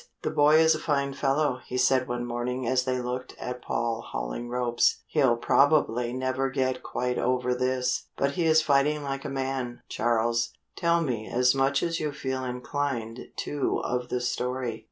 "The boy is a fine fellow," he said one morning as they looked at Paul hauling ropes. "He'll probably never get quite over this, but he is fighting like a man, Charles tell me as much as you feel inclined to of the story."